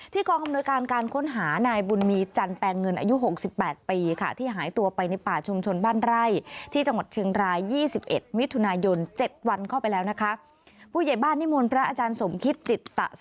ที่ความคำนวยการการค้นหานายบุญมีจรรย์แปลงเงินอายุ๖๘ปี